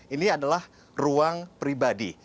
ini adalah ruang pribadi